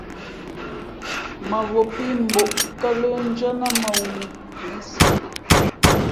Mᾱvǒ pí mbᾱʼ ō kάlə̄ndʉ́ά nά mᾱŋū kilísimǐ .